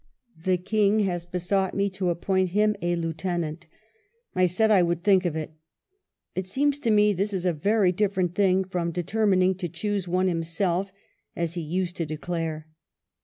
The King has besought me to appoint him a lieutenant ; I said I would think of it. It seems to me this is a very different thing from de termining to choose one himself, as he used to declare.